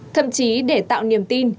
thậm chí để tạo niềm tin